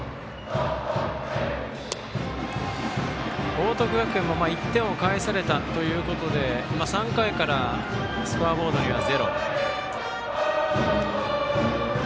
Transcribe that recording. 報徳学園も１点を返されたということで３回からスコアボードにはゼロ。